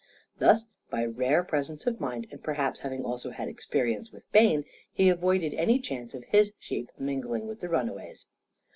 Thus, by rare presence of mind and perhaps having also had experience with Bayne he avoided any chance of his sheep mingling with the runaways.